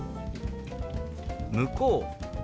「向こう」。